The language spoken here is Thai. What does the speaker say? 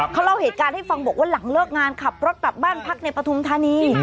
เขาเล่าเหตุการณ์ให้ฟังบอกว่าหลังเลิกงานขับรถกลับบ้านพักในปฐุมธานี